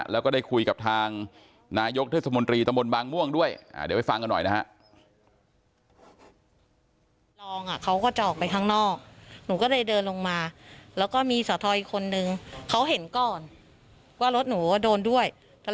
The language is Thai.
แล้วก็ได้คุยกับทางนายกเทศบนตรีตะบลบางม่วงด้วย